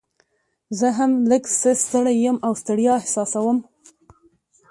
زه هم لږ څه ستړی یم او ستړیا احساسوم.